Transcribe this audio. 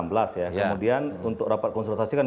kemudian untuk rapat konsultasi kan